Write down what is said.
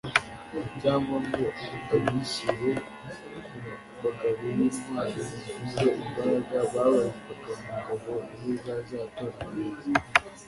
cyangwa ngo abishyire ku bagabo bintwari zifite imbaraga babarizwaga mu ngabo ze zari zaratojwe neza